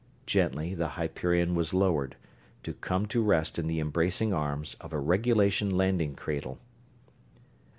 Gently the Hyperion was lowered, to come to rest in the embracing arms of a regulation landing cradle.